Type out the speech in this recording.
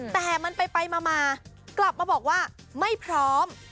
แต่มันไปมากลับมาบอกว่าไม่พร้อม